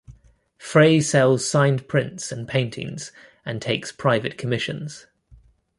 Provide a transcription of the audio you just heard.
Frey sells signed prints and paintings, and takes private commissions.